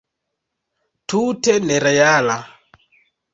Tute nereala!